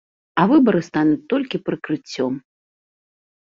А выбары стануць толькі прыкрыццём.